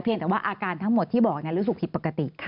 เพียงแต่ว่าอาการทั้งหมดที่บอกเนี่ยรู้สึกผิดปกติ